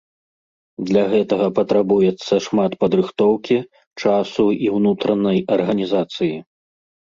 Для гэтага патрабуецца шмат падрыхтоўкі, часу і ўнутранай арганізацыі.